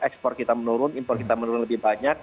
ekspor kita menurun impor kita menurun lebih banyak